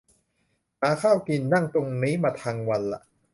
หาข้าวกิน นั่งตรงนี้มาทังวันละ